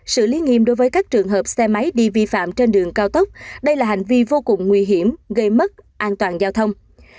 xử lý nghiêm đối với các trường hợp xe máy đi vi phạm trên đường cao tốc đây là hành vi vô cùng nguy hiểm gây mất an toàn giao thông